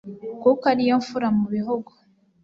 kuko ariyo mfura mu bihugu